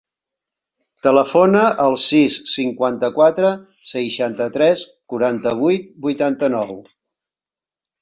Telefona al sis, cinquanta-quatre, seixanta-tres, quaranta-vuit, vuitanta-nou.